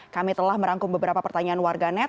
kami telah merangkum beberapa pertanyaan warga net